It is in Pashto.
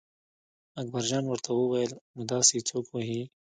اکبرجان ورته وویل نو داسې یې څوک وهي.